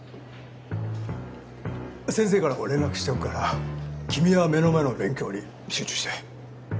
先生からも連絡しておくから君は目の前の勉強に集中して。